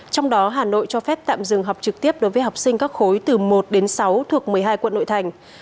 trong đó hà nội cho phép tạm dừng học trực tiếp đối với học sinh các khối từ một đến sáu thuộc một mươi hai quận nội thành